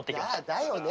だよね。